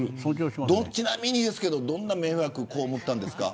ちなみにですけどどんな迷惑被ったんですか。